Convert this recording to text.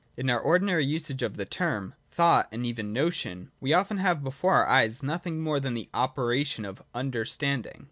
In our ordinary usage of the term thought and even notion, we often have before our eyes nothing more than the operation of Understanding.